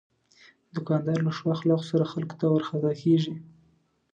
دوکاندار له ښو اخلاقو سره خلکو ته ورخطا کېږي.